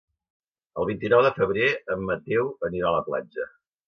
El vint-i-nou de febrer en Mateu anirà a la platja.